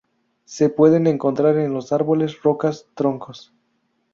Se pueden encontrar en los árboles, rocas, troncos.